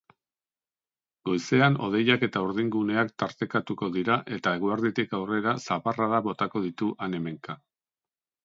Goizean hodeiak eta urdinguneak tartekatuko dira eta eguerditik aurrera zaparradak botako ditu han-hemenka.